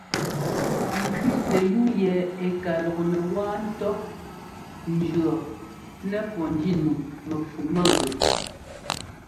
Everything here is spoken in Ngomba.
Ŋ kẅíitɛ yúu yɛ ɛ́ ka lɔknɛ wáa ńtɔ́ jʉ̈ɔɔ nɛpɔ́ njínumɛfumɛgɔɔ.